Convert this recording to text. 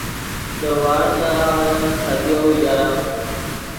دے وڑغ ژاغہ اویم خدیو اوژرم